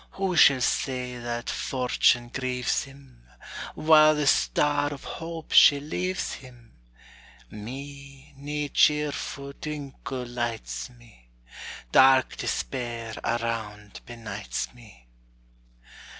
Who shall say that fortune grieves him, While the star of hope she leaves him? Me, nae cheerfu' twinkle lights me; Dark despair around benights me.